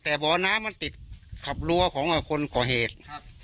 แต่บ่อน้ำมันติดขับรั้วของคนก่อเหตุครับ